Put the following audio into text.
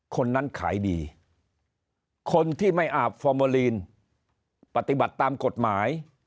คนนั้นขายดีคนที่ไม่อาบฟอร์โมลีนปฏิบัติตามกฎหมาย